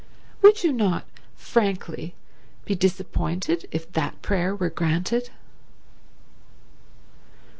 Would you not, frankly, be disappointed if that prayer were granted?"